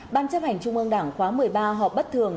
ban chấp hành trung ương đảng khóa một mươi ba họp bất thường